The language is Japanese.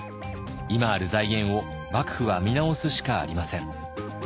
今ある財源を幕府は見直すしかありません。